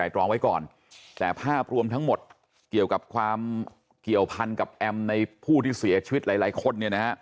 ใช่ค่ะแต่ภาพรวมทั้งหมดเกี่ยวกับความเกี่ยวพันธุ์กับแอมในผู้ที่เสียชีวิตหลายคน